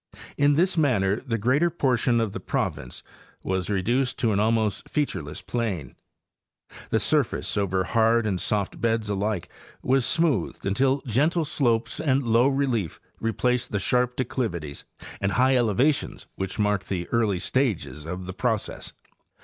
In this manner the greater. portion of the province was reduced to an almost featureless plain. The surface over hard and soft beds alike was smoothed until gentle slopes and low relief replaced the sharp declivities and high elevations which marked the early stages of the process.